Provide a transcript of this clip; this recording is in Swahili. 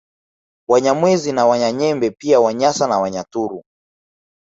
Wanyamwezi na Wanyanyembe pia Wanyasa na Wanyaturu